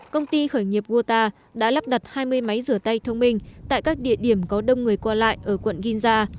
công ty khởi nghiệp wota đã lắp đặt hai mươi máy rửa tay thông minh tại các địa điểm có đông người qua lại ở quận ginza